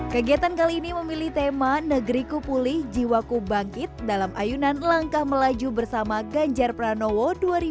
kegiatan kali ini memilih tema negeriku pulih jiwaku bangkit dalam ayunan langkah melaju bersama ganjar pranowo dua ribu dua puluh